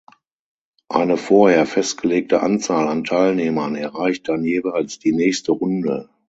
Eine vorher festgelegte Anzahl an Teilnehmern erreicht dann jeweils die nächste Runde.